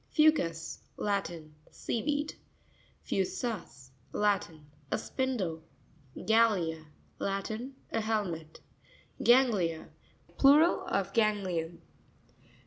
Fou'cus.—Latin. Sea weed. Fu'sus.—Latin. <A spindle. Ga r's.—Latin. A helmet. Gan'cuiA.—Plural of ganglion.